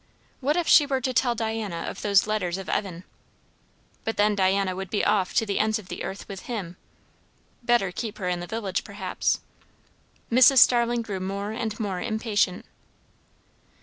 What if she were to tell Diana of those letters of Evan? But then Diana would be off to the ends of the earth with him. Better keep her in the village, perhaps. Mrs. Starling grew more and more impatient.